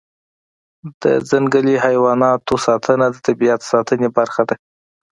د ځنګلي حیواناتو ساتنه د طبیعت ساتنې برخه ده.